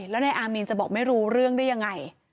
แล้วนายอามีนจะบอกไม่รู้เรื่องได้ยังไง